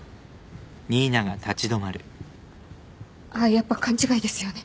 やっぱ勘違いですよね。